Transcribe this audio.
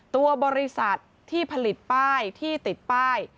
ตัวบริษัทที่ผลิตป้ายที่ติดป้าย